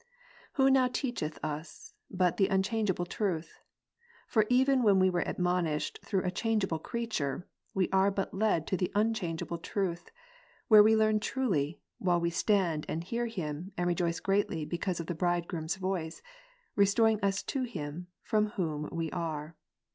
Who now teacheth us, but the unchangeable Truth ? for even when we are admonished through a changeable creature; we are but led to the unchangeable Truth ; where we learn truly, ivhile we John 3, stand and hear Him, and rejoice greatly because of the Bride ' groom's voice, restoring us to Him, from Whom we are.